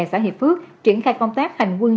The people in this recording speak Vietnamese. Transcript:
xã hiệp phước triển khai công tác hành quân